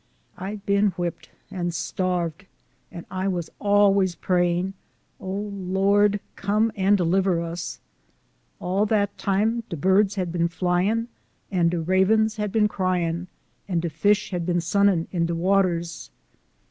I'd been whipped, an' starved, an' I was always prayin', ' Oh ! Lord, come an' delibber us !' All dat time de birds had been flyin', an' de rabens had been cryin', and de fish had been sunnin' in de waters.